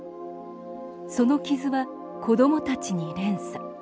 その傷は、子どもたちに連鎖。